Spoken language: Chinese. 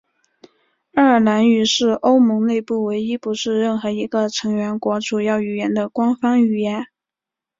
爱尔兰语是欧盟内部唯一不是任何一个成员国主要语言的官方语言。